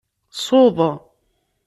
Suḍ.